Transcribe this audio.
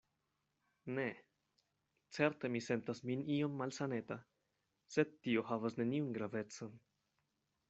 Ne; certe mi sentas min iom malsaneta; sed tio havas neniun gravecon.